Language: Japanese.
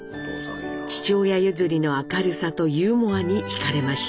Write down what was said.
父親譲りの明るさとユーモアに惹かれました。